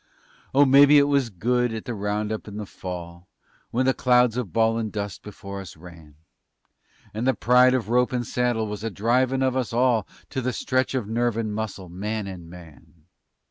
Oh, mebbe it was good at the roundup in the Fall When the clouds of bawlin' dust before us ran, And the pride of rope and saddle was a drivin' of us all To a stretch of nerve and muscle, man and man.